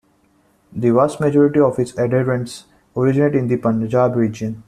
The vast majority of its adherents originate in the Punjab region.